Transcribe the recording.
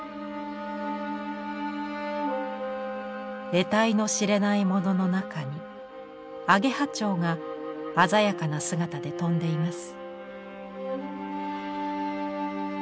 得体の知れないものの中にアゲハチョウが鮮やかな姿で飛んでいます。